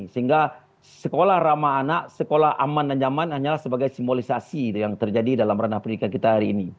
sehingga sekolah ramah anak sekolah aman dan nyaman hanyalah sebagai simbolisasi yang terjadi dalam ranah pendidikan kita hari ini